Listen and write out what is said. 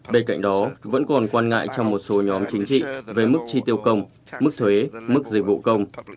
bên cạnh đó vẫn còn quan ngại trong một số nhóm chính trị về mức chi tiêu công mức thuế mức dịch vụ công